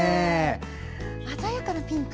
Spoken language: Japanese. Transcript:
鮮やかなピンク！